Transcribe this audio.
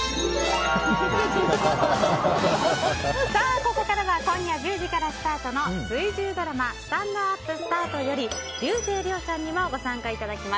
ここからは今夜１０時からスタートの水１０ドラマ「スタンドＵＰスタート」より竜星涼さんにもご参加いただきます。